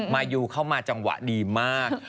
มายูเข้ามาจังหวะดีมาก